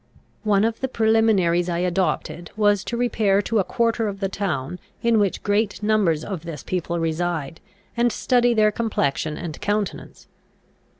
One of the preliminaries I adopted, was to repair to a quarter of the town in which great numbers of this people reside, and study their complexion and countenance.